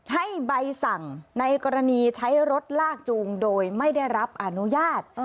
ให้ใบสั่งในกรณีใช้รถลากจูงโดยไม่ได้รับอนุญาต